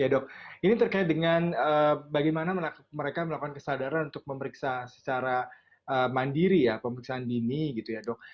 ya dok ini terkait dengan bagaimana mereka melakukan kesadaran untuk memeriksa secara mandiri ya pemeriksaan dini gitu ya dok